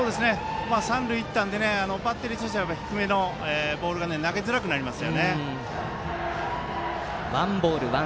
三塁に行ったのでバッテリーは低めのボールが投げづらくなります。